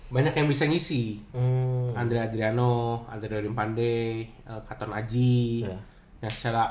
masih baru masih baru